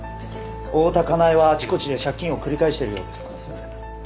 大多香苗はあちこちで借金を繰り返しているようです。